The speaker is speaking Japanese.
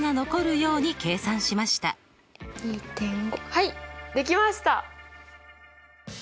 はいできました！